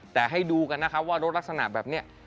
แต่ให้ดูกันนะครับว่ารถลักษณะแบบนี้